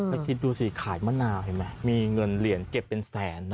แล้วคิดดูสิขายมะนาวเห็นไหมมีเงินเหรียญเก็บเป็นแสนนะ